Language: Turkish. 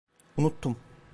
Unuttum.